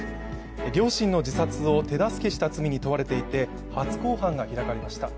両親の自殺を手助けした罪に問われていて初公判が開かれました。